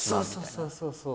そうそうそうそう。